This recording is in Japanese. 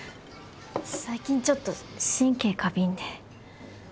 最近ちょっと神経過敏で。